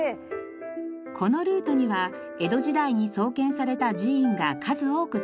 このルートには江戸時代に創建された寺院が数多く点在します。